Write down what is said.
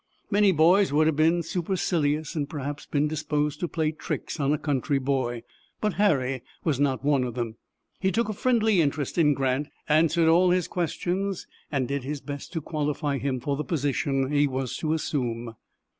Many boys would have been supercilious and perhaps been disposed to play tricks on a country boy, but Harry was not one of them. He took a friendly interest in Grant, answered all his questions, and did his best to qualify him for the position he was to assume.